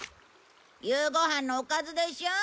夕ご飯のおかずでしょ？